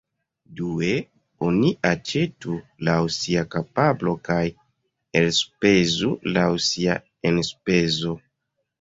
Due, oni aĉetu laŭ sia kapablo kaj elspezu laŭ sia enspezo.